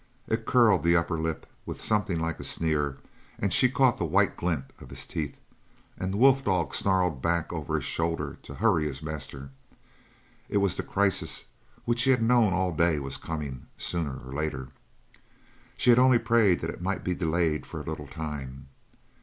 It curled the upper lip with something like a sneer; and she caught the white glint of his teeth; the wolf dog snarled back over his shoulder to hurry his master. It was the crisis which she had known all day was coming, sooner or later. She had only prayed that it might be delayed for a little time.